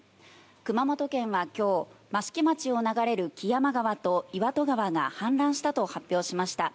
熊本県はきょう、益城町を流れる木山川と岩戸川が氾濫したと発表しました。